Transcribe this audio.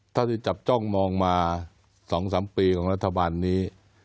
ที่จับจ้องมองมา๒๓ปีของรัฐบาลนี้